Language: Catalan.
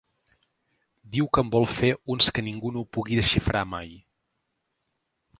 Diu que en vol fer uns que ningú no pugui desxifrar mai.